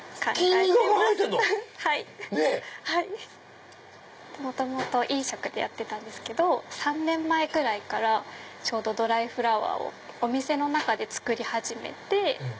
君が考えてんの⁉元々飲食でやってたんですけど３年前ぐらいからドライフラワーをお店の中で作り始めて。